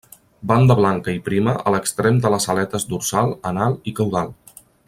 Banda blanca i prima a l'extrem de les aletes dorsal, anal i caudal.